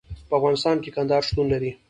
په افغانستان کې کندهار شتون لري.